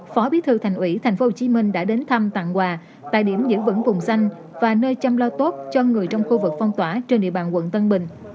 phó bí thư thành ủy tp hcm đã đến thăm tặng quà tại điểm giữ vững vùng xanh và nơi chăm lo tốt cho người trong khu vực phong tỏa trên địa bàn quận tân bình